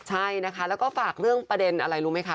ใช่นะคะแล้วก็ฝากเรื่องประเด็นอะไรรู้ไหมคะ